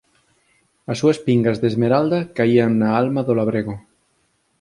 As súas pingas de esmeralda caían na alma do labrego